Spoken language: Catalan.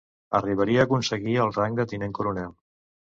Arribaria aconseguir el rang de tinent coronel.